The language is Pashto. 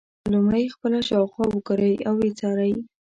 لومړی خپله شاوخوا وګورئ او ویې څارئ.